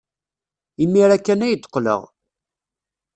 Imir-a kan ay d-qqleɣ.